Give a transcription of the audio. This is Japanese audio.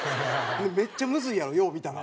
めっちゃむずいやろよう見たら。